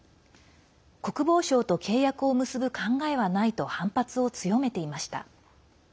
国防省と契約を結ぶ考えはないと反発を強めていました。